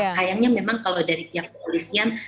sayangnya memang kalau dari pihak kepolisian